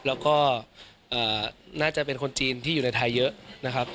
แล้วก็น่าจะเป็นคนจีนที่อยู่ในไทยเยอะนะครับ